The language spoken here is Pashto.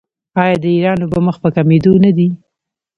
آیا د ایران اوبه مخ په کمیدو نه دي؟